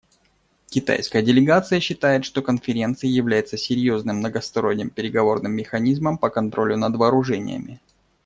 Китайская делегация считает, что Конференция является серьезным многосторонним переговорным механизмом по контролю над вооружениями.